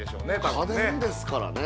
◆家電ですからね◆